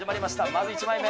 まず１枚目。